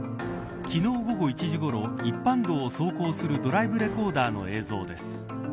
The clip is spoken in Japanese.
昨日午後１時ごろ一般道を走行するドライブレコーダーの映像です。